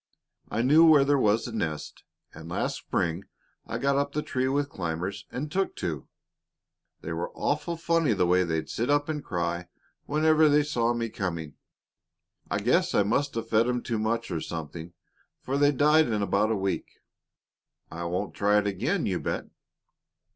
I knew where there was a nest, and last spring I got up the tree with climbers and took two. They were awful funny the way they'd sit up and cry whenever they saw me coming. I guess I must have fed 'em too much, or something, for they died in about a week. I won't try it again, you bet!"